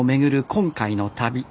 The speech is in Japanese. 今回の旅。